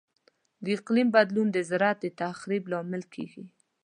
د اقلیم بدلون د زراعت د تخریب لامل کیږي.